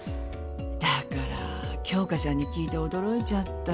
だから京花ちゃんに聞いて驚いちゃった。